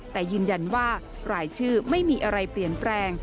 แต่ยืนยันว่ารายชื่อไม่มีอะไรเปลี่ยนแปลง